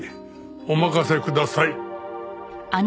お任せください。